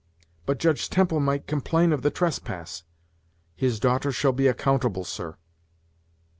"But Judge Temple might complain of the trespass." "His daughter shall be accountable, sir."